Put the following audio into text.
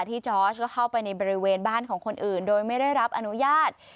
จอร์สก็เข้าไปในบริเวณบ้านของคนอื่นโดยไม่ได้รับอนุญาต